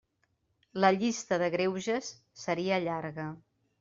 La llista de greuges seria llarga.